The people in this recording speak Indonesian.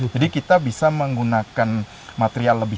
jadi kita bisa menggunakan material popok